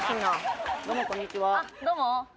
どうも。